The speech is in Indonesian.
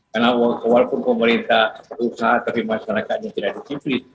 karena walaupun pemerintah usaha tapi masyarakatnya tidak di pilih